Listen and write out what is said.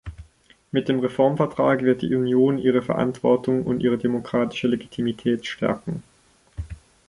Mit dem Reformvertrag wird die Union ihre Verantwortung und ihre demokratische Legitimität stärken.